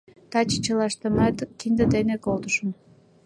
Таче чылаштымат кинде дене колтышым.